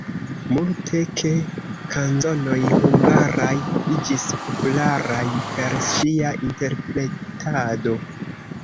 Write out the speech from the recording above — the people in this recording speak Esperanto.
Multe de kanzonoj hungaraj iĝis popularaj per ŝia interpretado.